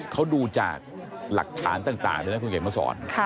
เขาดูจากหลักฐานต่างที่เจ้าหน้าคุณเก่งมาสอน